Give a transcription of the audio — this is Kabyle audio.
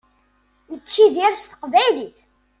Nettidir s teqbaylit.